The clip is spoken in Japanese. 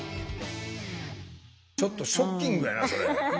ちょっとショッキングやなそれ。